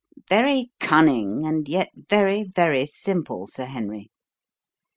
"Very cunning, and yet very, very simple, Sir Henry.